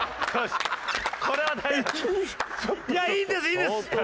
いやいいですいいです！